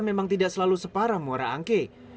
memang tidak selalu separah muara angke